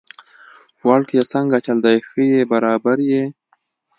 وړکیه څنګه چل دی، ښه يي برابر يي؟